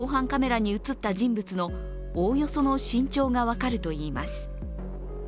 防犯カメラに映った人物のおおよその身長が分かるといいます。